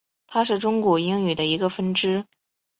它是中古英语的一个分支。